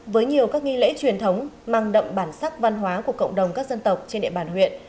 với nhiều các nghi lễ truyền thống mang đậm bản sắc văn hóa của cộng đồng các dân tộc trên địa bàn huyện